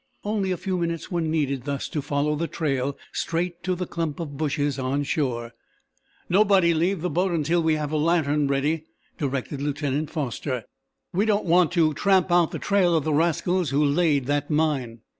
Only a few minutes were needed thus to follow the trail straight to the clump of bushes on shore. "Nobody leave the boat until we have a lantern ready," directed Lieutenant Foster. "We don't want to tramp out the trail of the rascals who laid that mine."